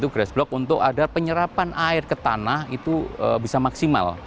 grass block untuk ada penyerapan air ke tanah itu bisa maksimal